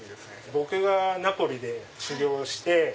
僕がナポリで修業をして。